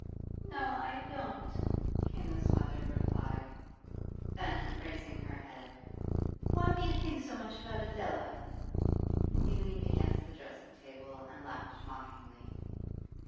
'No, I don't,' came the smothered reply. Then, raising her head, 'Why do you think so much about Adela?' He leaned against the dressing table and laughed mockingly.